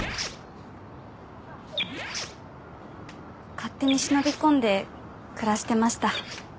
勝手に忍び込んで暮らしてました。